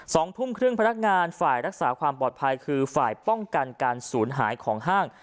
สองทุ่มครึ่งพนักงานฝ่ายรักษาความปลอดภัยคือฝ่ายป้องกันการศูนย์หายของห้าง